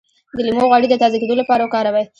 د لیمو غوړي د تازه کیدو لپاره وکاروئ